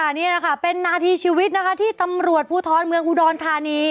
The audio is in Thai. นี่แหละค่ะเป็นนาทีชีวิตนะคะที่ตำรวจภูทรเมืองอุดรธานี